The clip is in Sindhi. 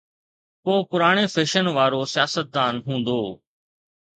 ڪو پراڻي فيشن وارو سياستدان هوندو.